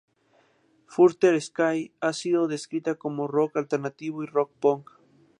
Further Sky ha sido descrita como rock alternativo y rock punk.